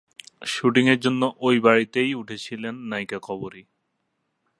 শুটিংয়ের জন্য ওই বাড়িতেই উঠেছিলেন নায়িকা কবরী।